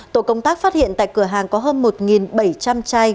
tổ công tác phát hiện tại cửa hàng có hơn một bảy trăm linh chai